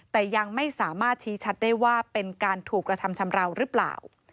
แต่ยังไม่สามารถชี้ชัดได้ว่าเป็นการถูกกระทำชำราวหรือเปล่า